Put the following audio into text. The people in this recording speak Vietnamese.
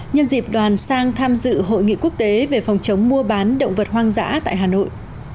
nhân dịp đoàn sang tham dự hội nghị quốc tế về phòng chống mua bán động vật hoang dã tại hà nội